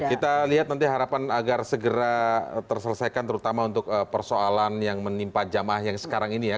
kita lihat nanti harapan agar segera terselesaikan terutama untuk persoalan yang menimpa jamaah yang sekarang ini ya